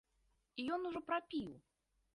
І ён ужо прапіў!